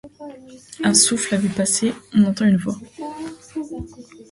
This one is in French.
Un souffle avait passé, on entendait une voix.